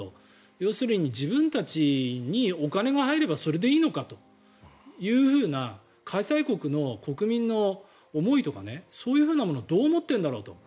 要するに自分たちにお金が入ればそれでいいのかという開催国の国民の思いとかそういうものをどう思っているんだろうと。